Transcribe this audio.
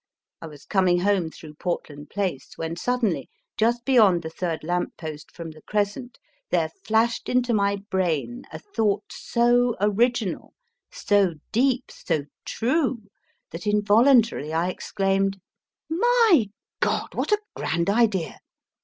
I was coming home through Portland Place, when suddenly, just beyond the third lamp post from the Crescent, there flashed into my brain a thought so ori ginal, so deep, so true, that involuntarily I exclaimed : ;< My God, what a grand idea